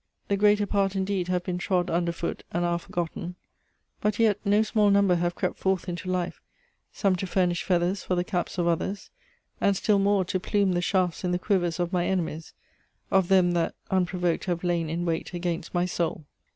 The greater part indeed have been trod under foot, and are forgotten; but yet no small number have crept forth into life, some to furnish feathers for the caps of others, and still more to plume the shafts in the quivers of my enemies, of them that unprovoked have lain in wait against my soul.